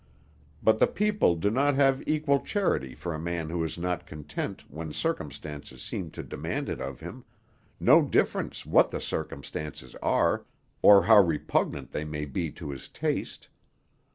But the people do not have equal charity for a man who is not content when circumstances seem to demand it of him, no difference what the circumstances are, or how repugnant they may be to his taste.